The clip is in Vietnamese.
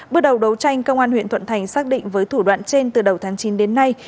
bước đầu đấu tranh công an huyện thuận thành xác định với thủ đoạn trên từ đầu tháng chín đến nay